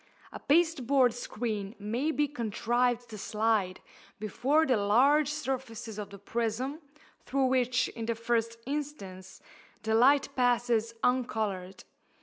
A pasteboard screen may be contrived to slide before the large surfaces of the prism, through which, in the first instance, the light passes uncoloured.